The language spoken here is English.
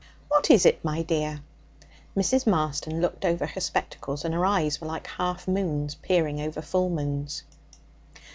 'What is it, my dear?' Mrs. Marston looked over her spectacles, and her eyes were like half moons peering over full moons.